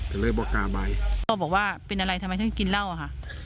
ก็เลยบอกกาใบก็บอกว่าเป็นอะไรทำไมท่านกินเหล้าอ่ะค่ะ